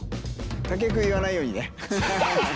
他局言わないようにね。